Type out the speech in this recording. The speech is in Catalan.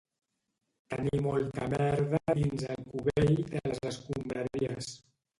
Tenir molta merda dins el cubell de les escombraries.